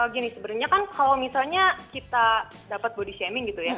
gini sebenarnya kan kalau misalnya kita dapat body shaming gitu ya